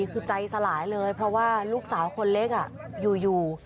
คือใจสลายเลยเพราะว่าลูกสาวคนเล็กอยู่